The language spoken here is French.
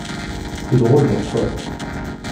Ces drôles m'aiment fort.